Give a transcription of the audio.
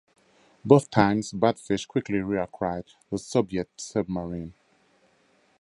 Both times, "Batfish" quickly reacquired the Soviet submarine.